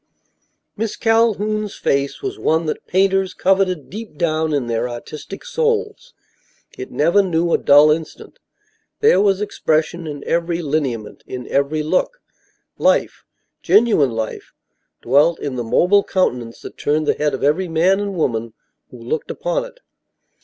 Miss Calhoun's face was one that painters coveted deep down in their artistic souls. It never knew a dull instant; there was expression in every lineament, in every look; life, genuine life, dwelt in the mobile countenance that turned the head of every man and woman who looked upon it.